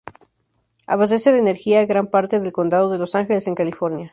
Abastece de energía a gran parte del condado de Los Ángeles en California.